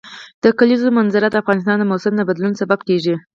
د کلیزو منظره د افغانستان د موسم د بدلون سبب کېږي.